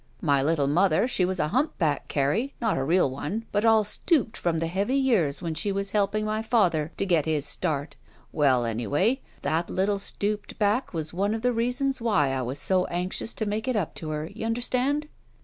My little mother she was a humpback, Carrie, not a real one, but all stooped from the heavy years when she was helping my father to get his start. Well, anyway, that little stooped back was one of 14 SHE WALKS IN BEAUTY the reasons why I was so anxious to make it up to her. Y'understand ?